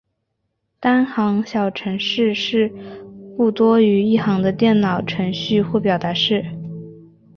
单行小程式是不多于一行的电脑程序或表达式。